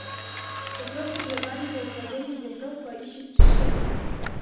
В вопросах глобального управления Европа ищет решения.